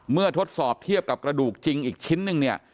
เมื่อทดสอบเทียบกับกระดูกจริงอีกสิ้นนึง